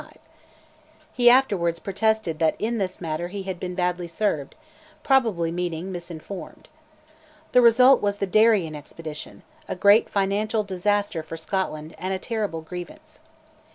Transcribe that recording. He afterwards protested that in this matter he had been "badly served," probably meaning "misinformed." The result was the Darien Expedition, a great financial disaster for Scotland, and a terrible grievance.